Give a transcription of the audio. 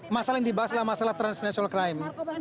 masalah yang dibahas adalah masalah transnational crime